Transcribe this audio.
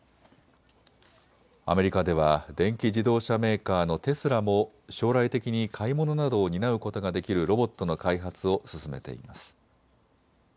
アメリカでは電気自動車メーカーのテスラも将来的に買い物などを担うことができるロボットの開発を進めています。